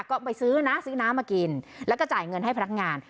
ก็ไปซื้อนะซื้อน้ำมากินแล้วก็จ่ายเงินให้พนักงาน